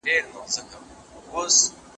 زه پرون د یو نوي اپلیکیشن په لټه کې وم.